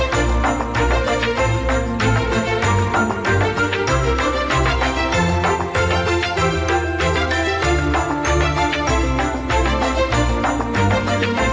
สวัสดีครับ